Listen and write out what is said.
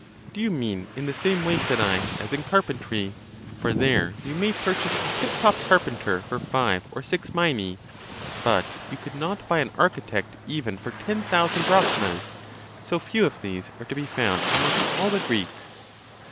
—Do you mean in the same way, said I, as in carpentry? For there you may purchase a tip top carpenter for five or six mine ;* but you could not (buy) an architect even for ten thousand drachmas ;*° so few of these are to be found amongst all the Greeks.